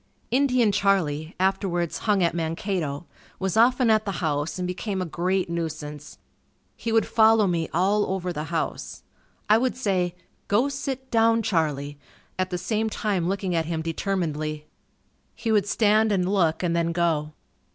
Indian Charlie, afterwards hung at Mankato, was often at the house and became a great nuisance. He would follow me all over the house. I would say, "Go sit down Charlie," at the same time looking at him determinedly. He would stand and look and then go.